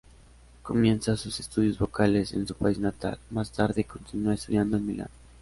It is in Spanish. Comienza sus estudios vocales en su país natal, más tarde continúa estudiando en Milán.